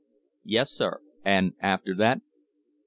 "Yes, sir. And after that?"